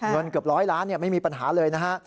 เงินเกือบร้อยล้านไม่มีปัญหาเลยนะฮะ